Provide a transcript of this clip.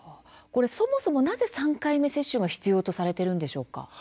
そもそもなぜ３回目接種が必要とされているんでしょうか。